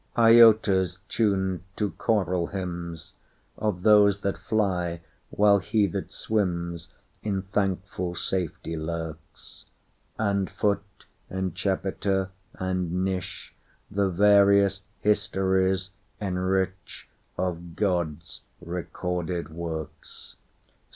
Iota's tuned to choral hymnsOf those that fly, while he that swimsIn thankful safety lurks; And foot, and chapiter, and niche, The various histories enrichOf God's recorded works.